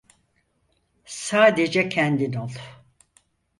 Sadece kendin ol.